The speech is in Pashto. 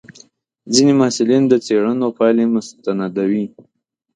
ځینې محصلین د څېړنو پایلې مستندوي.